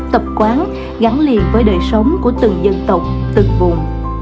tập quán gắn liền với đời sống của từng dân tộc từng vùng